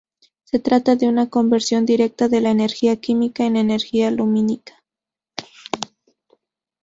Se trata de una conversión directa de la energía química en energía lumínica.